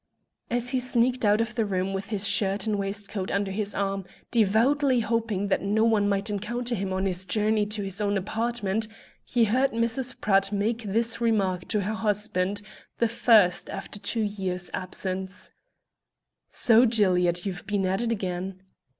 As he sneaked out of the room, with his shirt and waistcoat under his arm, devoutly hoping that no one might encounter him on his journey to his own apartment, he heard Mrs. Pratt make this remark to her husband the first after two years absence: "So, Gilead, you've been at it again."